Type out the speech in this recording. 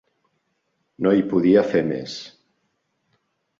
No hi podia fer més.